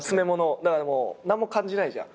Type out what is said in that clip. だから何も感じないじゃん。